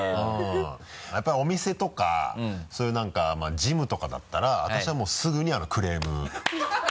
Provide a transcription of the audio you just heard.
やっぱりお店とかそういう何かジムとかだったら私はもうすぐにクレーム。